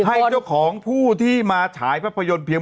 ให้เจ้าของผู้ที่มาฉายภาพยนตร์เพียง